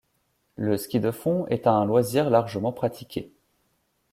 Le ski de fond est un loisir largement pratiqué.